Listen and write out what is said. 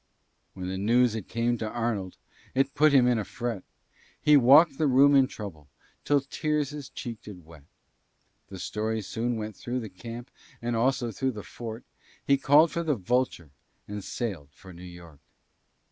When the news it came to Arnold, It put him in a fret; He walk'd the room in trouble, Till tears his cheek did wet; The story soon went through the camp, And also through the fort; And he callèd for the Vulture And sailèd for New York.